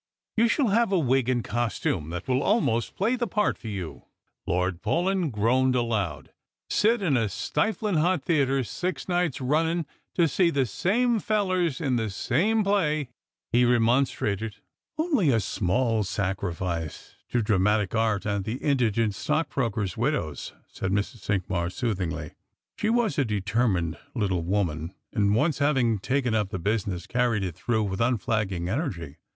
You shall have a wig and costume that will almost play the part for you." Lord Paulyn groaned aloud. " Sit in a stiflin' hot theatre six nights runniu' to see the same fellers in the same play !" he re monstrated. Strangers and Pilgrimg. 195 " Only a small sacrifice to dramatic art and the indigent etockbrokers' widows," said Mrs. Cinqmars, soothingly. She was a determined little woman: and once having taken up the business, carried it through with unflagging energy.